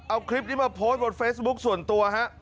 เอาคลิปนี้มาโพสต์บนเฟซบุ๊คส่วนตัวฮะ